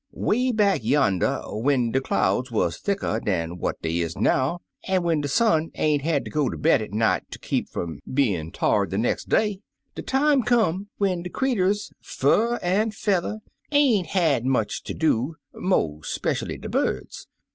'Way back yander, when de clouds wuz thicker dan what dey is now, an' when de sun ain't had ter go to bed at night ter keep fum bein' tired de nex' day, de time come when de creeturs, fur an' feather, ain't had much ter do, mo' speshually de birds.